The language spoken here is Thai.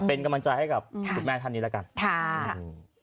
เป็นกำลังใจให้กับทุกแม่ท่านนี้ละกัน